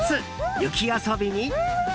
雪遊びに。